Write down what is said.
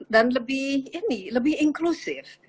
dan lebih inklusif